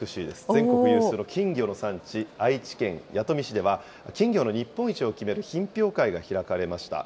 全国有数の金魚の産地、愛知県弥富市では、金魚の日本一を決める品評会が開かれました。